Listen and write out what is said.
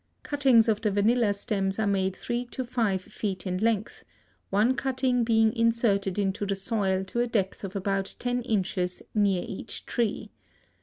Cuttings of the vanilla stems are made three to five feet in length, one cutting being inserted into the soil to a depth of about ten inches near each tree.